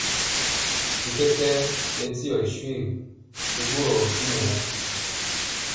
Bi kɛkɛɛ bɛdiɔ ri shoégu, bi ɓorɔɔ ntimɔ ŋan,